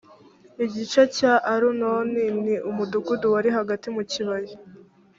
igice cya arunoni n umudugudu wari hagati mu kibaya